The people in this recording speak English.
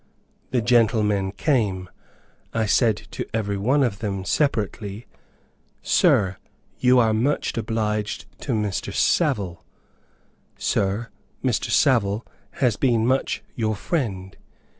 The gentlemen came. I said to every one of them separately, 'Sir, you are much obliged to Mr. Savile;' 'Sir, Mr. Savile has been much your friend.'